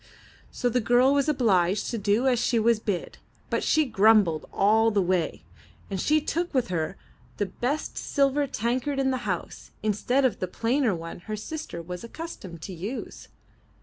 So the girl was obliged to do as she was bid, but she grumbled all the way, and she took with her the 325 MY BOOKHOUSE best silver tankard in the house, instead of the plainer one her sister was accustomed to use.